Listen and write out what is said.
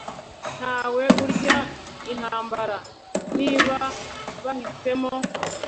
ntawe urya intambara. niba bahisemo